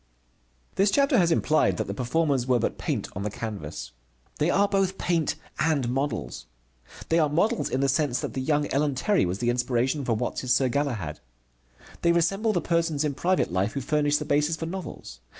This chapter has implied that the performers were but paint on the canvas. They are both paint and models. They are models in the sense that the young Ellen Terry was the inspiration for Watts' Sir Galahad. They resemble the persons in private life who furnish the basis for novels.